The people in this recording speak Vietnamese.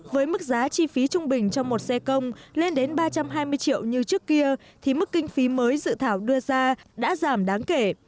với mức giá chi phí trung bình cho một xe công lên đến ba trăm hai mươi triệu như trước kia thì mức kinh phí mới dự thảo đưa ra đã giảm đáng kể